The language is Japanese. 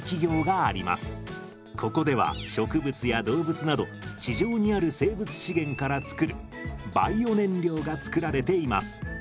ここでは植物や動物など地上にある生物資源から作るバイオ燃料が作られています。